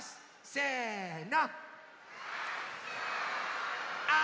せの！